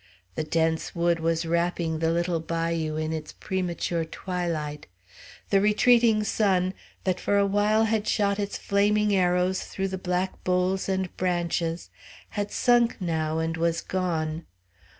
The dense wood was wrapping the little bayou in its premature twilight. The retreating sun, that for a while had shot its flaming arrows through the black boles and branches, had sunk now and was gone.